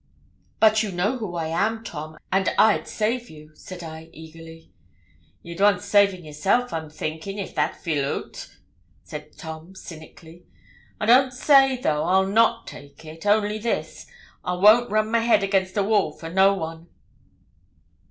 'But you know who I am, Tom, and I'd save you,' said I, eagerly. 'Ye'd want savin' yerself, I'm thinkin', if that feel oot,' said Tom, cynically. 'I don't say, though, I'll not take it only this I won't run my head again a wall for no one.'